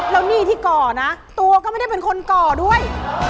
แล้วหนี้ที่ก่อนะตัวก็ไม่ได้เป็นคนก่อด้วย